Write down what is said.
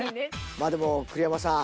まあでも栗山さん。